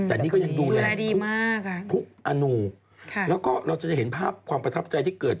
แต่นี่ก็ยังดูแลทุกอนุแล้วก็เราจะเห็นภาพความประทับใจที่เกิด